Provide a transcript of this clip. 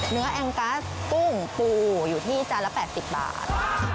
แองกัสกุ้งปูอยู่ที่จานละ๘๐บาท